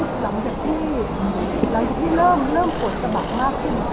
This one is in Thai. อาการน่าจะเริ่มสุดหลังจากที่เริ่มกดสมัครมากขึ้น